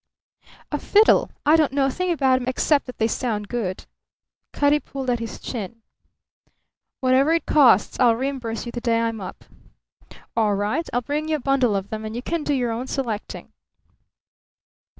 "A fiddle? I don't know a thing about 'em except that they sound good." Cutty pulled at his chin. "Whatever it costs I'll reimburse you the day I'm up." "All right. I'll bring you a bundle of them, and you can do your own selecting."